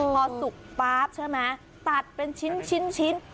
พอสุกป๊าบใช่ไหมตัดเป็นชิ้น